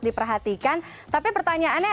diperhatikan tapi pertanyaannya